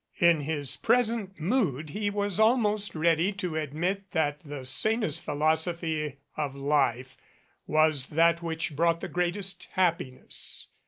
In his present mood he was almost ready to aoimt that the sanest philosophy of life was that which brought the greatest happiness.